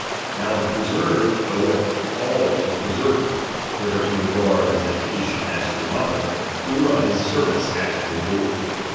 Now the preserved oweth all to the preserver, whether in regard of his education as to a mother, or of his service as to a lord.